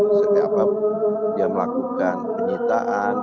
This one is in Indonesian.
seperti apa dia melakukan penyitaan